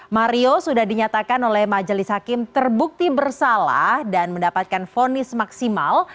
mario sudah dinyatakan oleh majelis hakim terbukti bersalah dan mendapatkan fonis maksimal